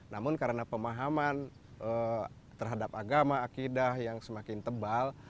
namun karena pemahaman terhadap agama akidah yang semakin tebal